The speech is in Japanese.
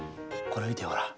これ見てよほら。